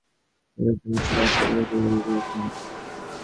সুচরিতা মাথা নত করিয়া কহিল, বিবাহে আমার মত নেই।